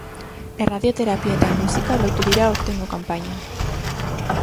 Erradioterapia eta musika lotu dira aurtengo kanpainan.